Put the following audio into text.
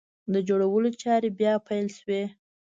د جوړولو چارې بیا پیل شوې!